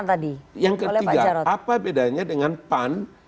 apa bedanya dengan pan